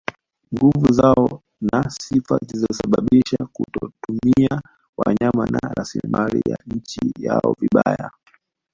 Nguvu zao na sifa zilisababisha kutotumia wanyama na rasilimali ya nchi yao vibaya